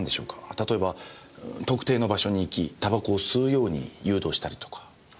例えば特定の場所に行き煙草を吸うように誘導したりとか。